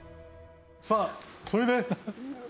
さあそれで本番。